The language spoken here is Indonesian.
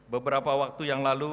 beberapa waktu yang lalu